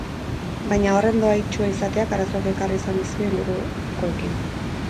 Baina, horren dohaitsua izateak arazoak ekarri izan dizkio ingurukoekin.